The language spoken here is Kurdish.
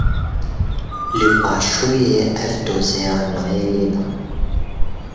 Li paşrûyê ev dosye nayê lêdan.